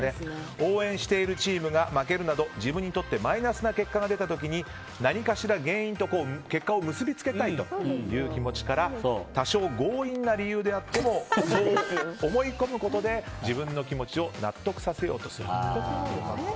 応援しているチームが負けるなど自分にとってマイナスな結果が出た時に何かしら原因と結果を結び付けたいという気持ちから多少強引な理由であってもそう思い込むことで自分の気持ちを納得させようとするそうです。